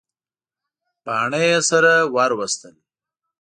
باڼه یې سره ور وستل.